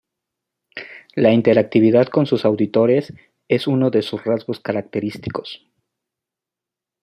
La interactividad con sus auditores, es uno de sus rasgos característicos.